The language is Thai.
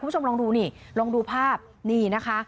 คุณผู้ชมลองดูนี่ลองดูภาพนี่นะคะ